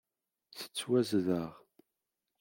Tettwazdeɣ.